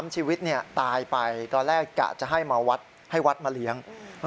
๓๓ชีวิตตายไปก็แรกจะให้วัดมาเลี้ยง